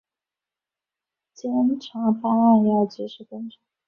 检察办案要及时跟上